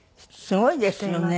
すごいですよね。